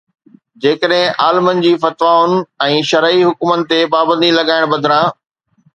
جيڪڏهن عالمن جي فتوائن ۽ شرعي حڪمن تي پابندي لڳائڻ بدران